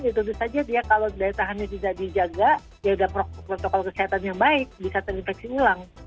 ya tentu saja dia kalau daya tahannya tidak dijaga jaga protokol kesehatan yang baik bisa terinfeksi ulang